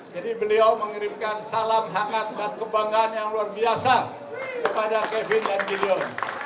jadi beliau mengirimkan salam hangat dan kebanggaan yang luar biasa kepada kevin dan gideon